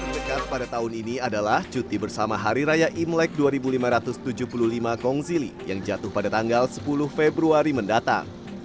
pekat pada tahun ini adalah cuti bersama hari raya imlek dua ribu lima ratus tujuh puluh lima kongzili yang jatuh pada tanggal sepuluh februari mendatang